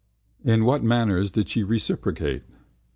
In what manners did she reciprocate?